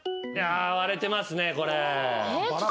割れてますねこれ。